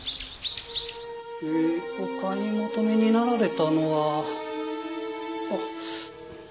えー。お買い求めになられたのはあっ。